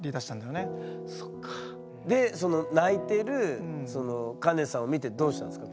でその泣いてるカネさんを見てどうしたんですか？